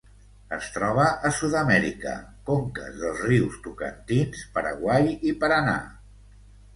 Es troba a Sud-amèrica: conques dels rius Tocantins, Paraguai i Paranà.